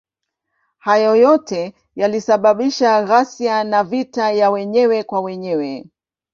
Hayo yote yalisababisha ghasia na vita ya wenyewe kwa wenyewe.